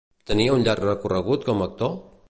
Tenia un llarg recorregut com a actor?